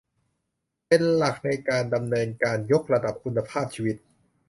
เป็นหลักในการดำเนินการยกระดับคุณภาพชีวิต